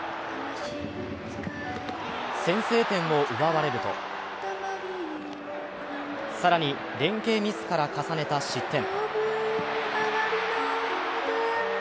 先制点を奪われると更に、連係ミスから重ねた失点。